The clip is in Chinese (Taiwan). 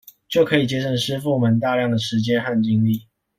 就可以節省師傅們大量的時間和精力